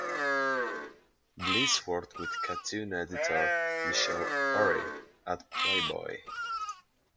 Bliss worked with cartoon editor Michelle Urry at "Playboy".